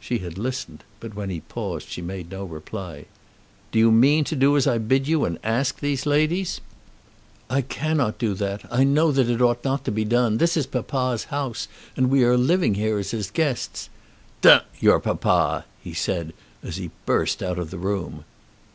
She had listened, but when he paused she made no reply. "Do you mean to do as I bid you and ask these ladies?" "I cannot do that. I know that it ought not to be done. This is papa's house, and we are living here as his guests." "D your papa!" he said as he burst out of the room.